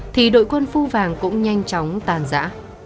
thì đội quân phu vàng cũng nhanh chóng tàn giã